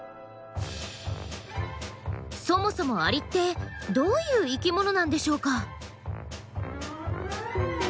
そもそもアリってどういう生きものなんでしょうか？